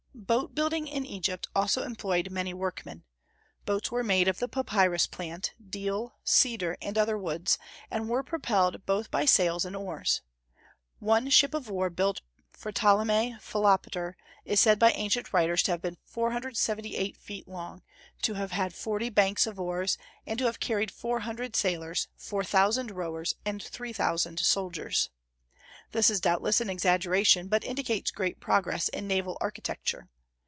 Boat building in Egypt also employed many workmen. Boats were made of the papyrus plant, deal, cedar, and other woods, and were propelled both by sails and oars. One ship of war built for Ptolemy Philopater is said by ancient writers to have been 478 feet long, to have had forty banks of oars, and to have carried 400 sailors, 4,000 rowers, and 3,000 soldiers. This is doubtless an exaggeration, but indicates great progress in naval architecture.